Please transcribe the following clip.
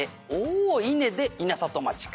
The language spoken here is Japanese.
「お“稲”で稲里町か」